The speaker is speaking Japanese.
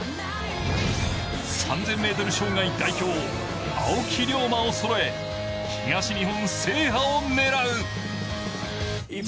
３０００ｍ障害代表、青木涼真をそろえ、東日本制覇を狙う。